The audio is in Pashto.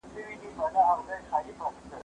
زه تمرين نه کوم!